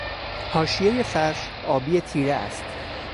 حاشیهی فرش آبی تیره است.